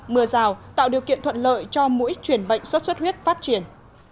mưa rào tạo điều kiện thuận lợi cho mũi chuyển bệnh xuất xuất huyết phát triển